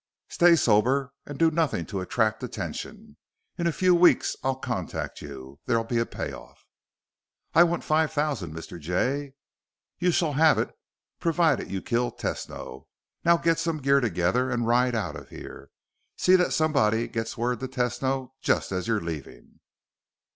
Stay sober and do nothing to attract attention. In a few weeks, I'll contact you. There'll be a payoff." "I want five thousand, Mr. Jay." "You shall have it, provided you kill Tesno. Now get some gear together and ride out of here. See that somebody gets word to Tesno just as you're leaving."